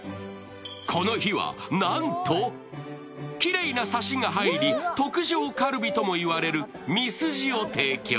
この日はなんと、きれいなサシが入り、特上カルビとも言われるミスジを提供。